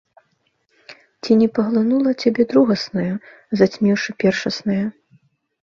Ці не паглынула цябе другаснае, зацьміўшы першаснае?